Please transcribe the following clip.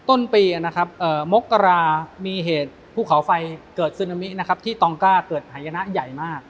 ต้นปีมกรามีเหตุภูเขาไฟเกิดซึนามิที่ตองกล้าเกิดไหยนะใหญ่มาก